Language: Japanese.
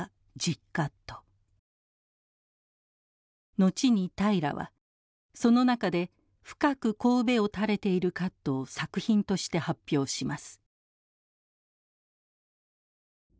後に平良はその中で深くこうべを垂れているカットを作品として発表します。